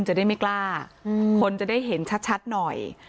จะได้ไม่กล้าคนจะได้เห็นชัดหน่อย